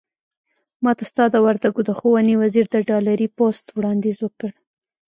ماته ستا د وردګو د ښوونې وزير د ډالري پست وړانديز وکړ.